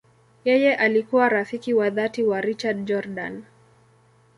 Yeye alikuwa rafiki wa dhati wa Richard Jordan.